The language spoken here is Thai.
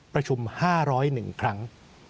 ประชุม๕๐๑ครั้ง